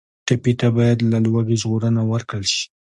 ټپي ته باید له لوږې ژغورنه ورکړل شي.